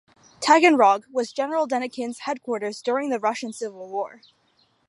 Taganrog was General Denikin's headquarters during the Russian Civil War.